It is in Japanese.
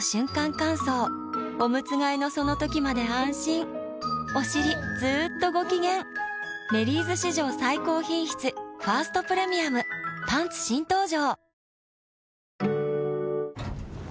乾燥おむつ替えのその時まで安心おしりずっとご機嫌「メリーズ」史上最高品質「ファーストプレミアム」パンツ新登場！